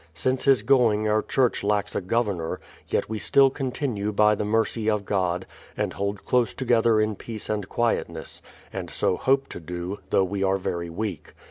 Since his going our Church lacks a governor ; yet we still continue by the mercy of God, and hold close together in peace and quietness ; and so hope to do, though we are very weak.